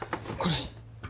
これ。